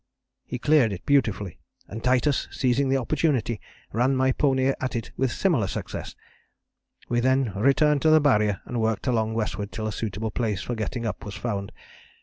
He cleared it beautifully, and Titus, seizing the opportunity, ran my pony at it with similar success. We then returned to the Barrier and worked along westward till a suitable place for getting up was found.